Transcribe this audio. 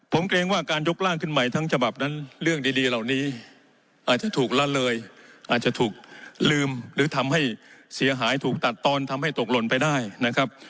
ผมเกรงว่าการยกร่างขึ้นใหม่ทั้งฉบับนั้นเรื่องดีเหล่านี้อาจจะถูกละเลยอาจจะถูกลืมหรือทำให้เสียหายถูกตัดตอนทำให้ตกหล่นไปได้นะครับ